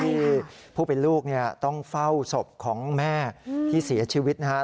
ผู้เป็นลูกเนี่ยต้องเฝ้าศพของแม่ที่เสียชีวิตนะครับ